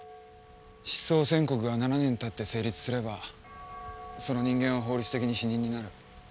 失踪宣告が７年経って成立すればその人間は法律的に死人になる。